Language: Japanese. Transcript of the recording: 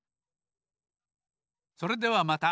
それではまた。